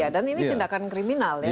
dan ini tindakan kriminal ya